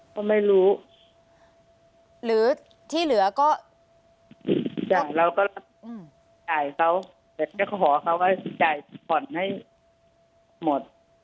ก็ไม่รู้หรือที่เหลือก็จ้ะเราก็อืมจ่ายเขาเดี๋ยวจะขอเขาว่าจะจ่ายผ่อนให้หมด